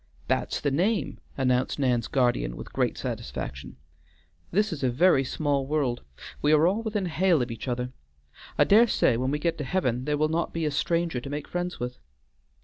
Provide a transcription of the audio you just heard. "That's the name," announced Nan's guardian with great satisfaction. "This is a very small world; we are all within hail of each other. I dare say when we get to Heaven there will not be a stranger to make friends with."